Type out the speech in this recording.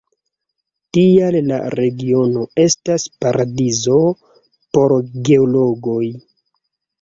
Tial la regiono estas paradizo por geologoj.